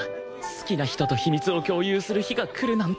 好きな人と秘密を共有する日が来るなんて